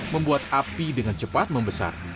membuat api dengan cepat membesar